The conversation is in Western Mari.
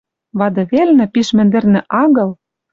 Вады велнӹ, пиш мӹндӹрнӹ агыл